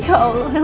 ya allah elsa